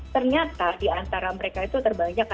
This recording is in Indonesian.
ternyata diantara mereka itu terbanyak